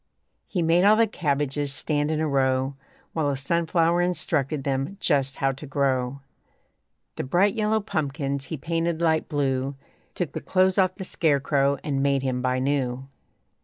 He made all the cabbages stand in a row While a sunflower instructed them just how to grow; The bright yellow pumpkins he painted light blue; Took the clothes off the scare crow and made him buy new.